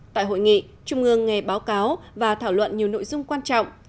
tại hội nghị trung ương nghe báo cáo và thảo luận nhiều nội dung quan trọng